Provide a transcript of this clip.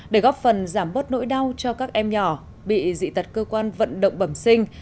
để góp phần giảm bớt nỗi đau cho các em nhỏ bị dị tật cơ quan vận động bẩm sinh